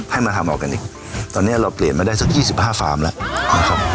มาทำออร์แกนิคตอนนี้เราเปลี่ยนมาได้สัก๒๕ฟาร์มแล้วนะครับ